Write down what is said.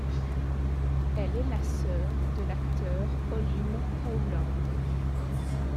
Elle est la sœur de l'acteur Olin Howland.